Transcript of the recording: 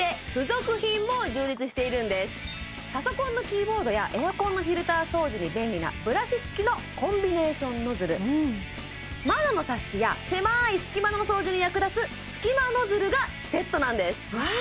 そしてパソコンのキーボードやエアコンのフィルター掃除に便利なブラシ付きの窓のサッシや狭い隙間の掃除に役立つ隙間ノズルがセットなんです